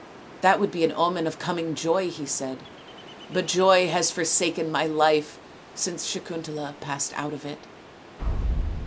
" That would be an omen of coming joy," he said, " but joy has forsaken my life since Sakuntala passed out of it."